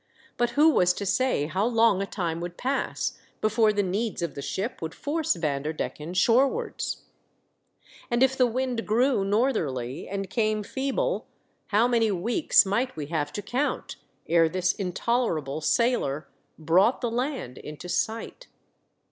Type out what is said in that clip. But who was to say how long a time would pass before the needs of the ship would force Vanderdecken shore wards ? And if the wind grew northerly and came feeble, how many weeks might we have to count ere this intolerable sailer brought the land into sight